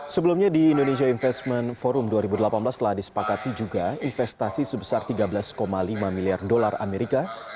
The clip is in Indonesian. sebelumnya di indonesia investment forum dua ribu delapan belas telah disepakati juga investasi sebesar tiga belas lima miliar dolar amerika